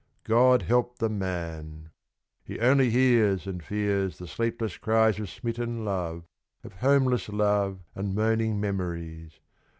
God help the man! He only hears and fears the sleepless cries Of smitten Love of homeless Love and moaning Memories.